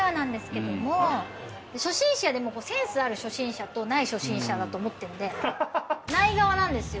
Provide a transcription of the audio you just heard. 初心者でもセンスある初心者とない初心者だと思ってるんで。